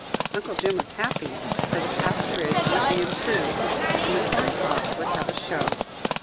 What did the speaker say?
Uncle Jim was happy, for the pasturage would be improved, and the corn crop would have a "show."